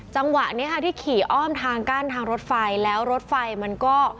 จังหวะนี้ค่ะที่ขี่อ้อมทางกั้นทางรถไฟแล้วรถไฟมันก็